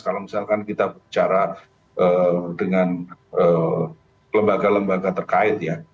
kalau misalkan kita bicara dengan lembaga lembaga terkait ya